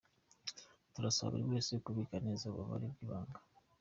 Turasaba buri wese kubika neza umubare we w’ibanga.